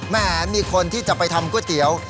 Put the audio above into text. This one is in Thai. แหมมีคนที่จะไปทำก๋วยเตี๋ยว